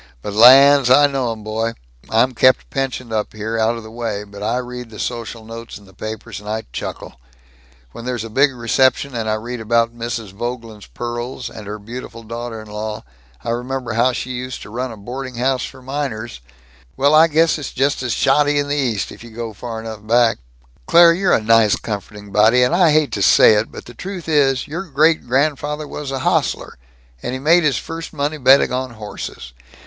But lands, I know 'em, boy. I'm kept pensioned up here, out of the way, but I read the social notes in the papers and I chuckle When there's a big reception and I read about Mrs. Vogeland's pearls, and her beautiful daughter in law, I remember how she used to run a boarding house for miners "Well, I guess it's just as shoddy in the East if you go far enough back. Claire, you're a nice comforting body, and I hate to say it, but the truth is, your great grandfather was an hostler, and made his first money betting on horses.